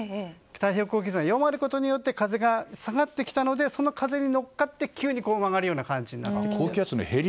太平洋高気圧が弱まることによって風が下がってきたのでその風に乗っかって曲がる感じです。